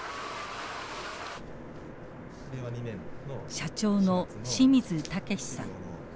社長の清水建志さん。